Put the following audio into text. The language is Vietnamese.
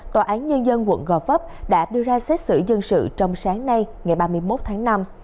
tòa án nhân dân quận gò vấp đã đưa ra xét xử dân sự trong sáng nay ngày ba mươi một tháng năm